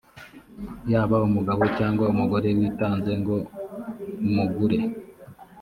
yaba umugabo cyangwa umugore witanze ngo umugure,